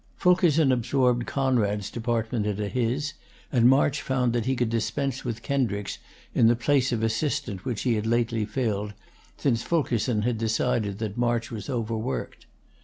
Fulkerson absorbed Conrad's department into his, and March found that he could dispense with Kendricks in the place of assistant which he had lately filled since Fulkerson had decided that March was overworked.